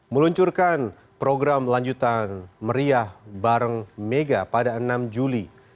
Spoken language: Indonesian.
meluncurkan program lanjutan meriah bareng mega pada enam juli